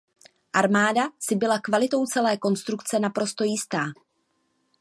Armáda si byla kvalitou celé konstrukce naprosto jistá.